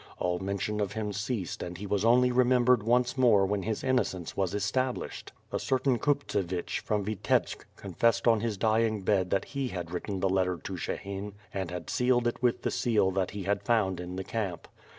All mention of him ceased and he was only re membered once more when his innocence was established. A certain Kuptsevich from Vitebsk confessed on his dying bed that he had written the letter to Shehin and had sealed it with the seal that he had found in the camp.